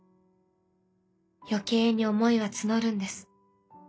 余計に思いは募るんです。